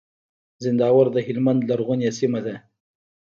زينداور د هلمند لرغونې سيمه ده.